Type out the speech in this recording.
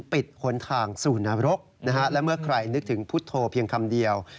หนทางสู่นรกและเมื่อใครนึกถึงพุทธโธเพียงคำเดียว